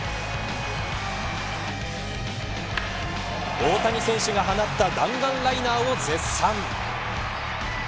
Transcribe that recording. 大谷選手が放った弾丸ライナーを絶賛。